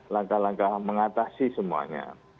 langkah langkah mengatasi semuanya